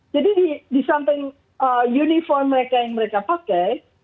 jadi di samping uniform mereka yang mereka pakai